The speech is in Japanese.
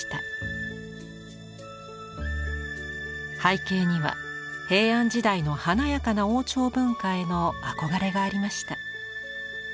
背景には平安時代の華やかな王朝文化への憧れがありました。